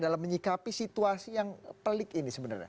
dalam menyikapi situasi yang pelik ini sebenarnya